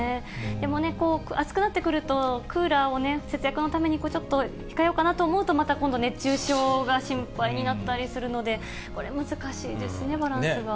でもね、暑くなってくると、クーラーを節約のために、ちょっと控えようかなと思うと、また今度熱中症が心配になったりするので、これ、難しいですね、バランスが。